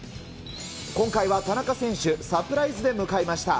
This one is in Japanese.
今回は田中選手、サプライズで向かいました。